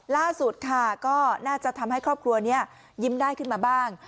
ล่าสุดค่ะก็น่าจะทำให้ครอบครัวนี้ยิ้มได้ขึ้นมาบ้าง